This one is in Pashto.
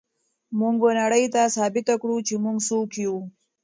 موږ به نړۍ ته ثابته کړو چې موږ څوک یو.